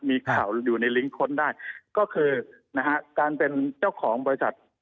มีข่าวอยู่ในลิงก์ค้นได้ก็คือนะฮะการเป็นเจ้าของบริษัท